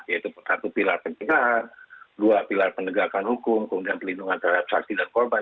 yaitu satu pilar pencegahan dua pilar penegakan hukum kemudian pelindungan terhadap saksi dan korban